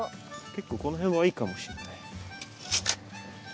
結構この辺はいいかもしれない。